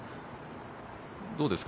どうですか？